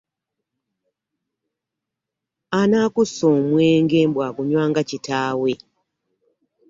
Anaakussa omwenge mbu agunywa nga kitaawe.